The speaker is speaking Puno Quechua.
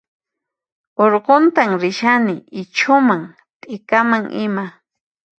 Urqutan rishani ichhuman t'ikaman ima